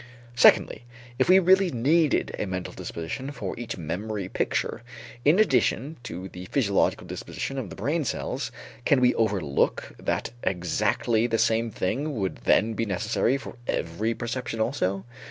Secondly, if we really needed a mental disposition for each memory picture, in addition to the physiological disposition of the brain cells, can we overlook that exactly the same thing would then be necessary for every perception also?